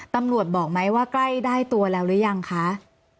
ตำรวจบอกไหมว่าใกล้ได้ตัวแล้วหรือยังคะ